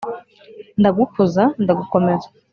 ndagukuza ndagukomeza